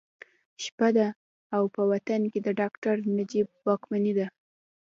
شپه ده او په وطن کې د ډاکټر نجیب واکمني ده